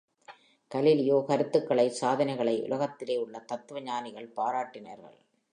Galileo கருத்துக்கனை, சாதனைகளை உலகத்திலே உள்ள தத்துவஞானிகள் பாராட்டினார்கள்!